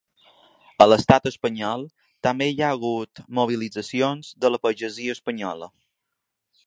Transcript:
A l’estat espanyol també hi ha hagut mobilitzacions de la pagesia espanyola.